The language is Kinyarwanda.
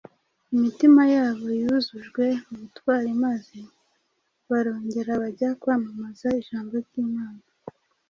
Imitima yabo yuzujwe ubutwari maze barongera bajya kwamamaza ijambo ry’Imana